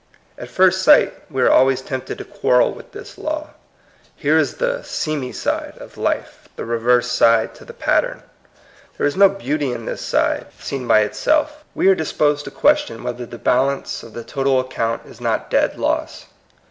At first sight, we are always tempted to quarrel with this law. Here is the "seamy side" of life, the reverse side to the pattern. There is no beauty in this side, seen by it 96 THS COMING PSOPLE. self. We are disposed to question whether the balance of the total account is not dead loss.